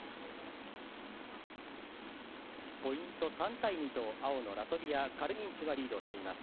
ポイント３対２と青のラトビア・カルニンシュがリードしています。